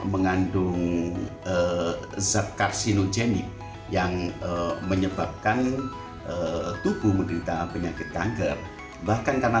mengandung zat karsinogenik yang menyebabkan tubuh menderita penyakit kanker bahkan karena